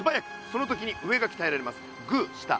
その時に上がきたえられます。